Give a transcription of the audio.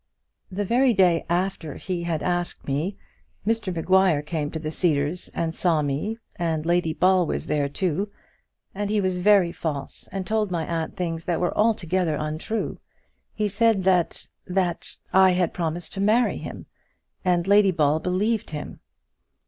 "The very day after he had asked me, Mr Maguire came to the Cedars and saw me, and Lady Ball was there too. And he was very false, and told my aunt things that were altogether untrue. He said that that I had promised to marry him, and Lady Ball believed him."